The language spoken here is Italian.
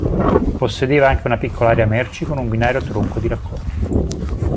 Possedeva anche una piccola area merci con un binario tronco di raccordo.